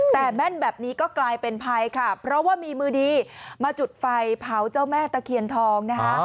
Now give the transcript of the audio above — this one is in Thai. แต่แม่นแบบนี้ก็กลายเป็นภัยค่ะเพราะว่ามีมือดีมาจุดไฟเผาเจ้าแม่ตะเคียนทองนะคะ